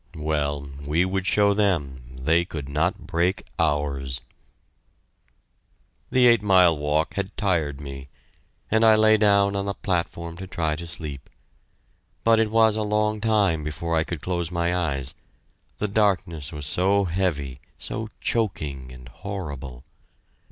Well we would show them they could not break ours! The eight mile walk had tired me, and I lay down on the platform to try to sleep, but it was a long time before I could close my eyes: the darkness was so heavy, so choking and horrible.